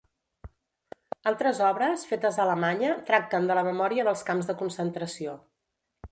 Altres obres, fetes a Alemanya, tracten de la memòria dels camps de concentració.